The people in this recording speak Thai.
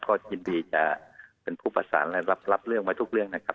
ก็ยินดีจะเป็นผู้ประสานและรับเรื่องไว้ทุกเรื่องนะครับ